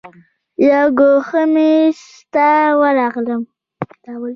یو ګوښه میز ته ورغلم.